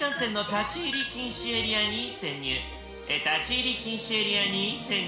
立ち入り禁止エリアに潜入します。